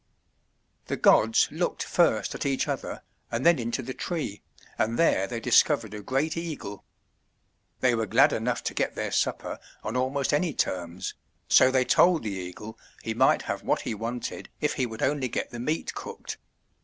The gods looked first at each other and then into the tree, and there they discovered a great eagle. They were glad enough to get their supper on almost any terms, so they told the eagle he might have what he wanted if he would only get the meat cooked.